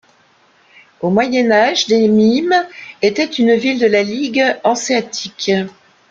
Au Moyen Âge, Demmin était une ville de la ligue hanséatique.